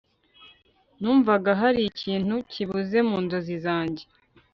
numvaga hari ikintu kibuze mu nzozi zanjye